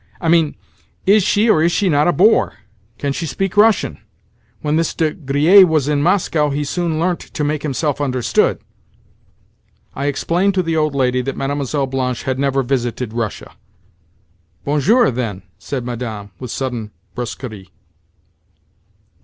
"I mean, is she or is she not a bore? Can she speak Russian? When this De Griers was in Moscow he soon learnt to make himself understood." I explained to the old lady that Mlle. Blanche had never visited Russia. "Bonjour, then," said Madame, with sudden brusquerie.